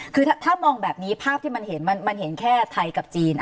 คือถ้ามองแบบนี้ภาพที่มันเห็นมันเห็นแค่ไทยกับจีน